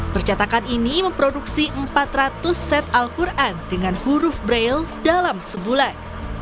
percetakan ini memproduksi empat ratus set al quran dengan huruf braille dalam sebulan